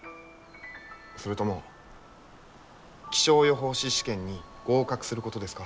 それとも気象予報士試験に合格することですか？